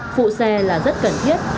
phụ xe là rất cần thiết